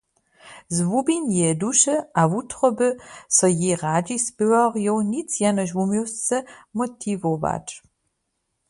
Z hłubin jeje duše a wutroby so jej radźi, spěwarjow nic jenož wuměłsce motiwować.